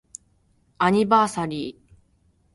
アニバーサリー